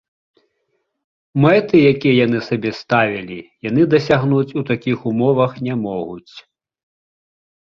Мэты, якія яны сабе ставілі, яны дасягнуць у такіх умовах не могуць.